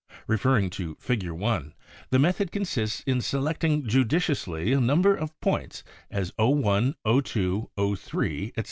Referring to Fig. 1, the method consists in selecting judiciously a number of points as Oi, o2, 03, etc.